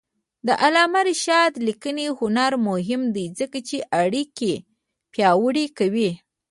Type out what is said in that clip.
د علامه رشاد لیکنی هنر مهم دی ځکه چې اړیکې پیاوړې کوي.